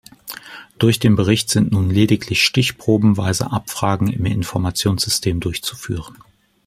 Durch den Bericht sind nun lediglich stichprobenweise Abfragen im Informationssystem durchzuführen.